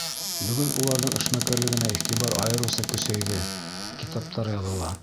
Бөгөн уларҙың эшмәкәрлегенә иғтибар айырыуса көсәйҙе, китаптар яҙыла.